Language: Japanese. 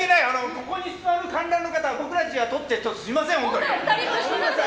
ここに座る観覧の方僕たちがとっちゃってすみません、本当に。